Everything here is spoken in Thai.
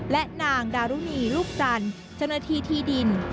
และนางดารุณีลูกจันทร์เจ้าหน้าที่ที่ดิน